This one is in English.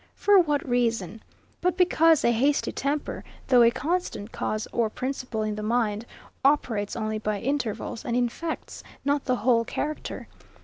For what reason? but because a hasty temper, though a constant cause or principle in the mind, operates only by intervals, and infects not the whole character.